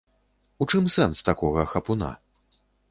У чым сэнс такога хапуна?